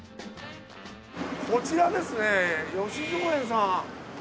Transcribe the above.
こちらですね芳蔵園さん。